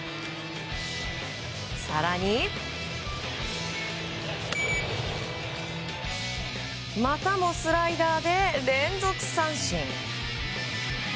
更に、またもスライダーで連続三振。